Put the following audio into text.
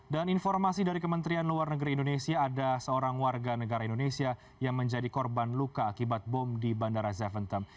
dan informasi dari kementerian luar negeri indonesia ada seorang warga negara indonesia yang menjadi korban luka akibat bom di bandara zeventem